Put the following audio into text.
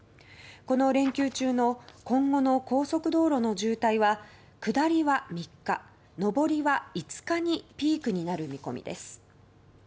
この連休中の今後の高速道路の渋滞は下りは３日、上りは５日にピークになる見込みです。